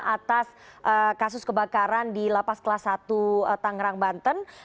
atas kasus kebakaran di lapas kelas satu tangerang banten